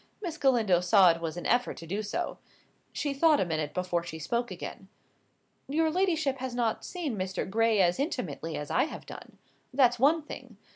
Miss Galindo saw it was an effort to do so. She thought a minute before she spoke again. "Your ladyship has not seen Mr. Gray as intimately as I have done. That's one thing.